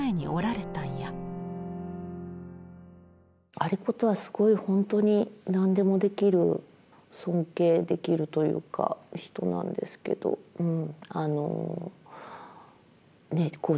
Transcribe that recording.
有功はすごい本当に何でもできる尊敬できるというか人なんですけどうん